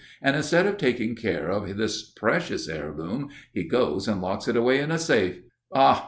And instead of taking care of this precious heirloom, he goes and locks it away in a safe. Ah!